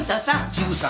千草。